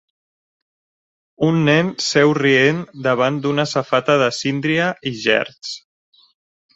Un nen seu rient davant d'una safata de síndria i gerds.